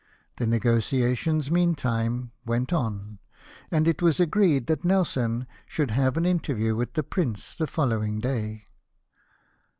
The negotiations meantime went on ; and it was agreed that Nelson should have an interview with the Prince the following day.